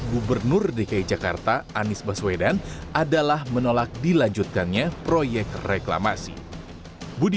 gubernur dki jakarta anies baswedan adalah menolak dilanjutkannya proyek reklamasi budi